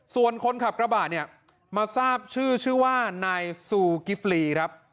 ส่วนคนขับกระบะเนี่ยมาทราบชื่อชื่อว่านายซูกิฟลีครับ